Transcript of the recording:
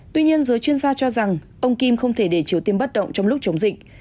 tuy nhiên giới chuyên gia cho rằng ông kim không thể để triều tiên bất động trong lúc chống dịch